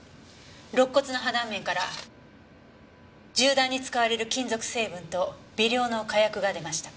肋骨の破断面から銃弾に使われる金属成分と微量の火薬が出ました。